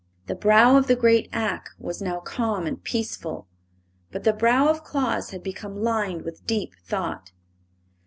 The brow of the great Ak was now calm and peaceful; but the brow of Claus had become lined with deep thought.